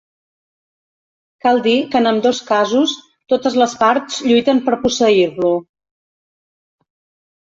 Cal dir que en ambdós casos totes les parts lluiten per posseir-lo.